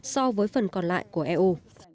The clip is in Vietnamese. so với phần còn lại của eu